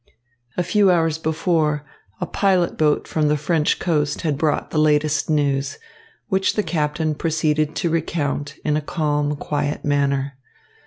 A few hours before, a pilot boat from the French coast had brought the latest news, which the captain proceeded to recount in a calm, quiet manner.